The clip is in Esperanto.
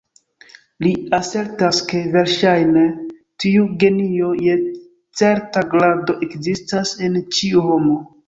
Li asertas, ke, verŝajne, tiu genio je certa grado ekzistas en ĉiu homo.